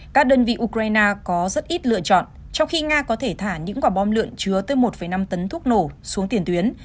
các đơn vị ukraine có rất ít lựa chọn trong khi nga có thể thả những quả bom lượn chứa từ một năm tấn thuốc nổ xuống tiền tuyến